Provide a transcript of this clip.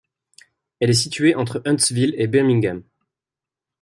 Elle est située entre Huntsville et Birmingham.